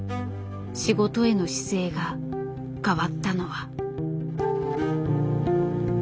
仕事への姿勢が変わったのは。